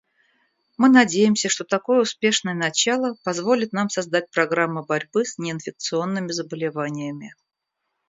Мы надеемся, что такое успешное начало позволит нам создать программы борьбы с неинфекционными заболеваниями.